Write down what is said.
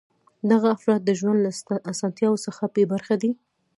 دغه افراد د ژوند له اسانتیاوو څخه بې برخې دي.